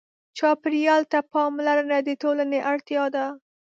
چاپېریال ته پاملرنه د ټولنې اړتیا ده.